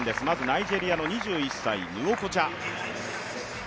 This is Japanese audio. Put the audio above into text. ナイジェリアの２１歳、ヌウォコチャ。